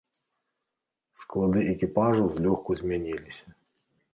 Склады экіпажаў злёгку змяніліся.